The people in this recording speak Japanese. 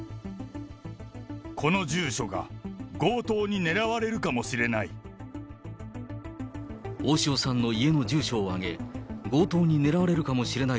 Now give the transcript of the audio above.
この住所が強盗に狙われるかもしれない。